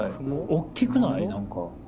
おっきくない？何か。